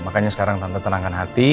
makanya sekarang tanpa tenangkan hati